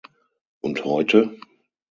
Und heute?